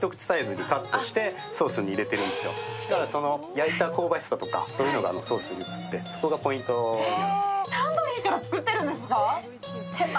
焼いた香ばしさとかがソースに移ってそこがポイントになってます。